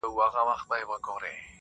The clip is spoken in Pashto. o مرگ کله نخرې کوي، کله پردې کوي٫